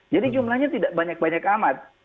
jumlahnya tidak banyak banyak amat